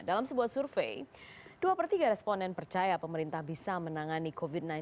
dalam sebuah survei dua per tiga responden percaya pemerintah bisa menangani covid sembilan belas